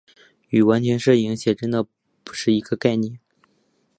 与完全摄影写真的不是一个概念。